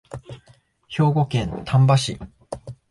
兵庫県丹波市